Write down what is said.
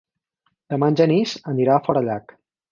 Demà en Genís anirà a Forallac.